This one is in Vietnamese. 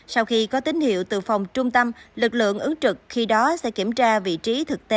sau khi có tín hiệu từ phòng trung tâm lực lượng ứng trực khi đó sẽ kiểm tra vị trí thực tế